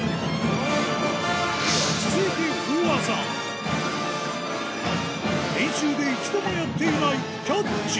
続いて大技練習で一度もやっていないキャッチ